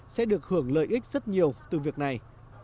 sẽ được hưởng lợi ích rất nhiều từ việc này